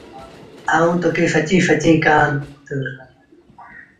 آئوٚنٚ تو کي سچيٚݩ سچيٚݩ ڪهآندو تا